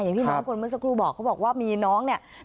อย่างที่น้องคนเมื่อสักครู่บอกเขาบอกว่ามีน้องเนี่ย